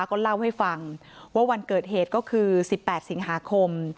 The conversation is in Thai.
ก็เล่าให้ฟังว่าวันเกิดเหตุก็คือ๑๘สิงหาคม